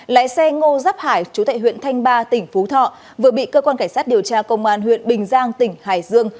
lái xe ngô rắp hải chú tại huyện thanh ba tỉnh phú thọ vừa bị cơ quan cảnh sát điều tra công an huyện bình giang tỉnh hải dương